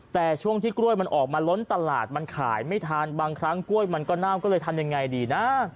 แต่ช่วงที่กล้วยมันออกมาล้นตลาดมันขายไม่ทันบางครั้งกล้วยมันก็เน่าก็เลยทำยังไงดีนะ